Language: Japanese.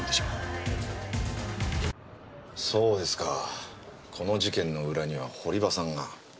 そうですかこの事件の裏には堀場さんが。